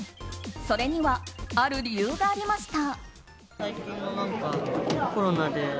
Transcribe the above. それには、ある理由がありました。